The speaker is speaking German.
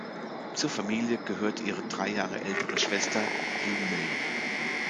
Zur Familie gehört ihre drei Jahre ältere Schwester Yu Mei.